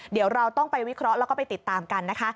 เดี๋ยวเราต้องไปวิเคราะห์แล้วก็ไปติดตามกันนะคะ